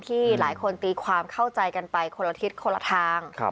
ที่หลายคนตีความเข้าใจกันไปคนละทิศคนละทาง